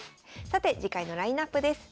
さて次回のラインナップです。